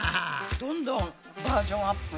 どんどんバージョンアップ。